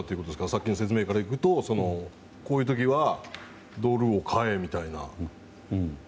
さっきの説明から行くとこういう時はドルを買えみたいな。